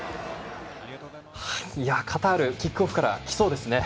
カタールキックオフから来そうですね。